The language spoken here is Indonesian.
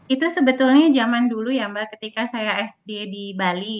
itu sebetulnya zaman dulu ya mbak ketika saya sd di bali